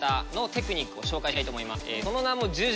その名も。